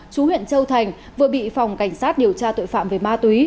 chú huyện châu thành vừa bị phòng cảnh sát điều tra tội phạm về ma túy